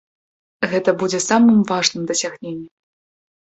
Гэта будзе самым важным дасягненнем.